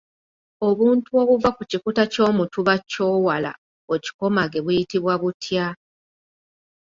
Obuntu obuva ku kikuta ky’omutuba kyowala okikomage buyitibwa butya?